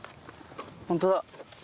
ホントだ！